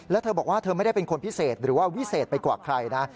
แล้วเธอบอกว่าเธอไม่ได้เป็นคนพิเศษหรือว่าวิเศษไปกว่าใครนะ